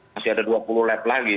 masih ada dua puluh lab lagi